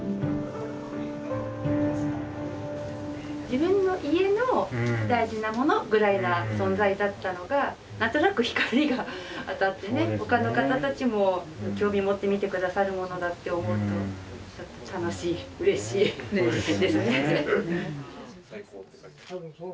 自分の家の大事なものぐらいな存在だったのが何となく光が当たってね他の方たちも興味を持って見て下さるものだって思うとちょっと楽しいうれしいですね。